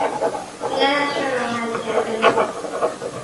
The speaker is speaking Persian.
خیالش را راحت کردن